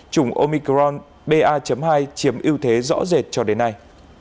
chủng omicron ba hai chiếm ưu thế rõ rệt cho đến nay